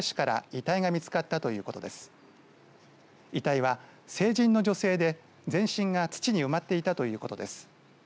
遺体は、成人の女性で全身が土に埋まっていたということです。